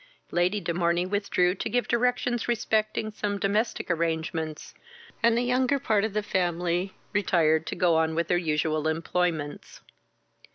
Lady de Morney withdrew to give directions respecting some domestic arrangements, and the younger part of the family retired to go on with their usual employments.